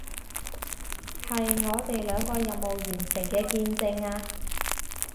係我哋兩個任務完成嘅見證啊